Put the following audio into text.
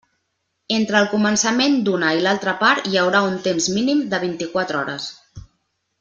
Entre el començament d'una i l'altra part hi haurà un temps mínim de vint-i-quatre hores.